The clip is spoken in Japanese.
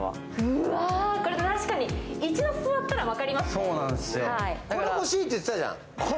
うわー、確かに一度座ったら分かりますね。